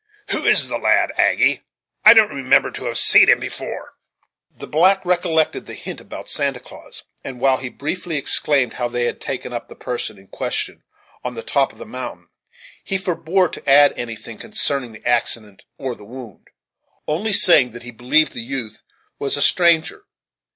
"Who is the lad, Aggy I don't remember to have seen him before?" The black recollected the hint about Santa Claus; and, while he briefly explained how they had taken up the person in question on the top of the mountain, he forbore to add anything concerning the accident or the wound, only saying that he believed the youth was a stranger.